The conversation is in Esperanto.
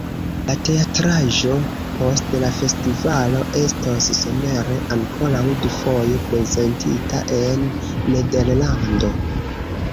La teatraĵo post la festivalo estos somere ankoraŭ dufoje prezentita en Nederlando.